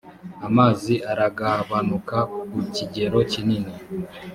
amazi aragabanuka kukigero kinini